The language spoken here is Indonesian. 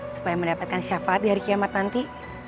supaya mendapatkan syafaat di hari kiamat nanti